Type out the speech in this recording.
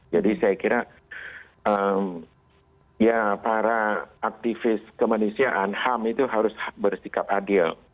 jadi saya kira para aktivis kemanusiaan ham itu harus bersikap adil